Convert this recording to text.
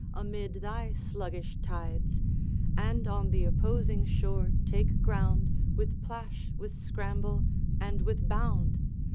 amid thy sluggish tides, And on the opposing shore take ground With plash, with scramble, and with bound.